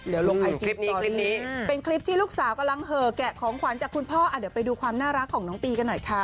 เดี๋ยวลงไอจีนี้เป็นคลิปที่ลูกสาวกำลังเหอะแกะของขวัญจากคุณพ่อเดี๋ยวไปดูความน่ารักของน้องตีกันหน่อยค่ะ